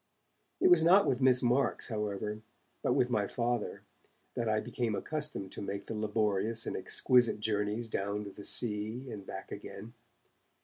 It was not with Miss Marks, however, but with my Father, that I became accustomed to make the laborious and exquisite journeys down to the sea and back again.